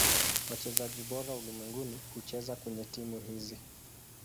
Wachezaji bora ulimwenguni hucheza kwenye timu hizi.